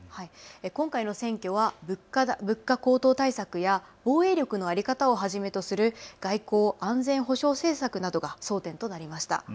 今回の選挙は物価高騰対策や防衛力の在り方をはじめとする外交・安全保障政策などが争点となりました。